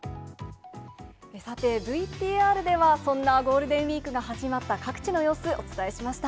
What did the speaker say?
さて、ＶＴＲではそんなゴールデンウィークが始まった各地の様子、お伝えしました。